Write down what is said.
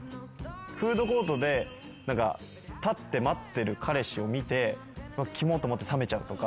フードコートで立って待ってる彼氏を見てキモッと思って冷めちゃうとか。